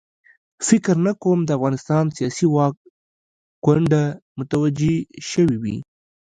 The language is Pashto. فکر نه کوم د افغانستان سیاسي واک کونډه متوجه شوې وي.